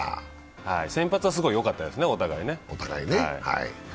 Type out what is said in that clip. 先発すごいよかったですね、お互いね。